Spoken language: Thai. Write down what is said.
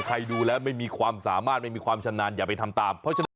ใครดูแล้วไม่มีความสามารถไม่มีความชนานอย่าไปทำตาม